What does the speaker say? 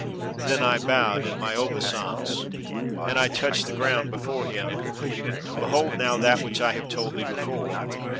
"Then I bowed, in my obeisance, and I touched the ground before him. 'Behold now that which I have told thee before.